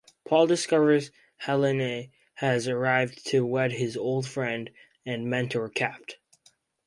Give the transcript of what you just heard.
Paul discovers Helene has arrived to wed his old friend and mentor Capt.